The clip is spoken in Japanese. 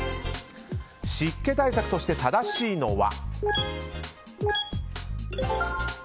湿気対策として正しいのは？